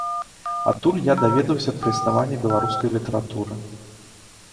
Адтуль я даведаўся пра існаванне беларускай літаратуры.